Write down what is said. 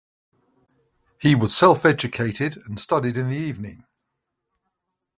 He was self-educated, and studied in the evening.